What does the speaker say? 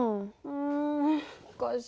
うんおかしいな。